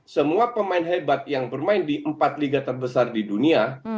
semua pemain hebat yang bermain di empat liga terbesar di dunia